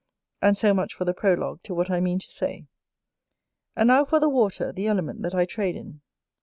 And so much for the prologue to what I mean to say. And now for the Water, the element that I trade in.